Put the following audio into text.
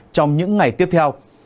trong những ngày tiếp theo